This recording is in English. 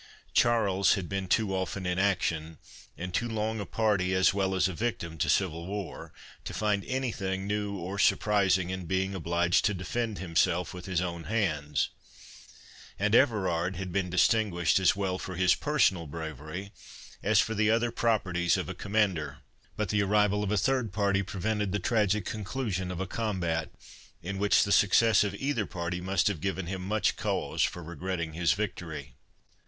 Charles had been too often in action, and too long a party as well as a victim to civil war, to find any thing new or surprising in being obliged to defend himself with his own hands; and Everard had been distinguished, as well for his personal bravery, as for the other properties of a commander. But the arrival of a third party prevented the tragic conclusion of a combat, in which the success of either party must have given him much cause for regretting his victory.